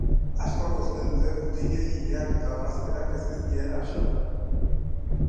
Askok uste dute mutilei ileak eta orrazkerak ez zaizkiela axola.